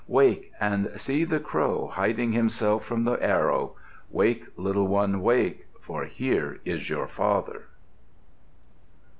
Wake and see the crow, hiding himself from the arrow! Wake, little one, wake, for here is your father!"